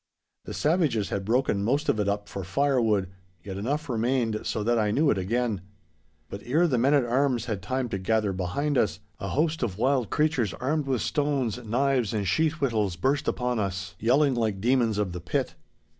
The savages had broken most of it up for firewood, yet enough remained so that I knew it again. 'But ere the men at arms had time to gather behind us, a host of wild creatures armed with stones, knives, and sheath whittles burst upon us, yelling like demons of the pit.